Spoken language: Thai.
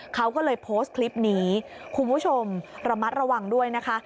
เขาก็เลยโพสต์คลิปนี้คุณผู้ชมระมัดระวังด้วยนะคะ